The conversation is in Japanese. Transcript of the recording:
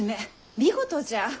見事じゃ！